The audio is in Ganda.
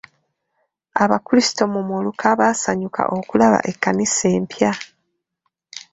Abakrisitu mu muluka baasanyuka okulaba ekkanisa empya.